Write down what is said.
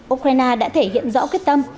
ukraine đã thể hiện rõ quyết tâm